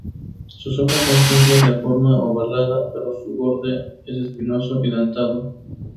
Sus hojas son simples de forma ovalada pero su borde es espinoso y dentado.